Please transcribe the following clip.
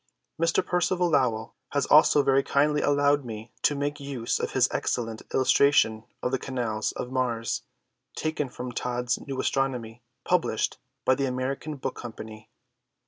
Mr. Percival Lowell has also very kindly allowed me to make use of his excellent illustration of the Canals of Mars, taken from Todd's "New Astronomy," published by the American Book Company.